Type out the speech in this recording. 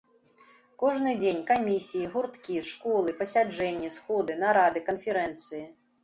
Кожны дзень камісіі, гурткі, школы, пасяджэнні, сходы, нарады, канферэнцыі.